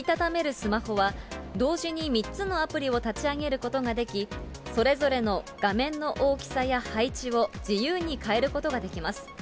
スマホは、同時に３つのアプリを立ち上げることができ、それぞれの画面の大きさや配置を自由に変えることができます。